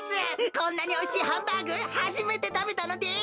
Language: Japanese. こんなにおいしいハンバーグはじめてたべたのです。